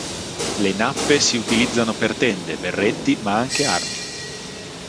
Le nappe si utilizzano per tende, berretti ma anche armi.